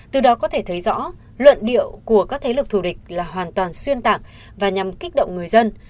từ đó có thể thấy rõ luận điệu của các thế lực thù địch là hoàn toàn xuyên tạc và nhằm kích động người dân